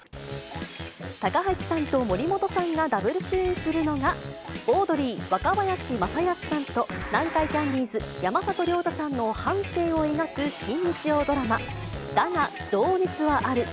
高橋さんと森本さんがダブル主演するのが、オードリー・若林正恭さんと、南海キャンディーズ・山里亮太さんの半生を描く新日曜ドラマ、だが、情熱はある。